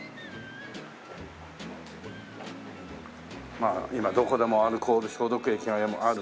まあ今どこでもアルコール消毒液がある。